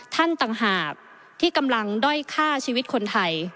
ต่างหากที่กำลังด้อยฆ่าชีวิตคนไทย